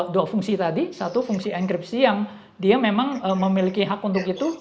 dua fungsi tadi satu fungsi enkripsi yang dia memang memiliki hak untuk itu